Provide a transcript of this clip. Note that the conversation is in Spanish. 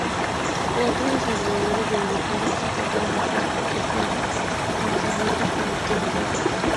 Otros desarrolladores de videojuegos entraron al campo ese año, con lanzamientos como The Getaway.